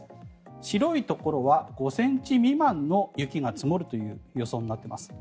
白いところは５ｃｍ未満の雪が積もるという予想になっています。